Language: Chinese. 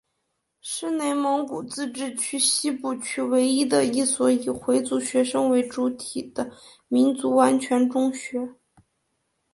是内蒙古自治区西部区唯一的一所以回族学生为主体的民族完全中学。